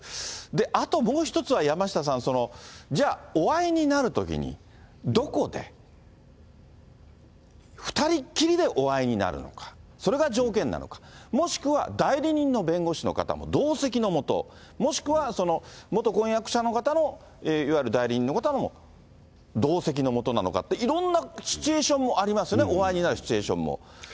あと、もう一つは、山下さん、じゃあ、お会いになるときに、どこで、２人っきりでお会いになるのか、それが条件なのか、もしくは、代理人の弁護士の方も同席のもと、もしくは元婚約者の方のいわゆる代理人の方も同席のもとなのかって、いろんなシチュエーションもありますよね、お会いになるシチュエーションも。